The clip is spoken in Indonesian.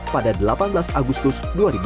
pada delapan belas agustus dua ribu dua puluh